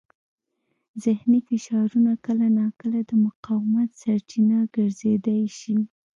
ذهني فشارونه کله ناکله د مقاومت سرچینه ګرځېدای شي.